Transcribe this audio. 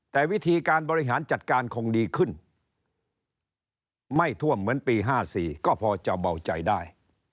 แต่วิธีการบริหารจัดการคงดีขึ้นไม่ท่วมเหมือนปี๕๔ก็พอจะเบาใจได้